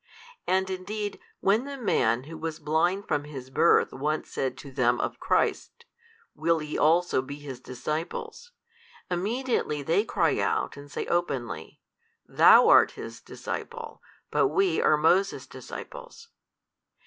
And indeed when the man who was blind from his birth once said to them of Christ, Will YE also be His disciples? immediately they cry out and say openly, THOU art His disciple, but WE are Moses disciples.